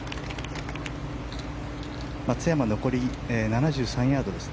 松山残り７３ヤードです。